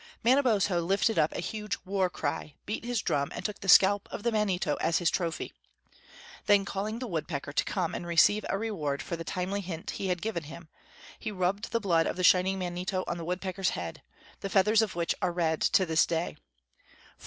Manabozho lifted up a huge war cry, beat his drum, and took the scalp of the Manito as his trophy. Then calling the woodpecker to come and receive a reward for the timely hint he had given him, he rubbed the blood of the Shining Manito on the woodpecker's head, the feathers of which are red to this day.